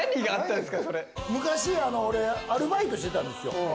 昔アルバイトしてたんですよ。